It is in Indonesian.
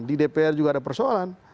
di dpr juga ada persoalan